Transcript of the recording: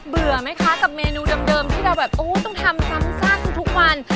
เบื่อไหมคะกับเมนูเดิมที่เราต้องทำซ้ำซากทุกวัน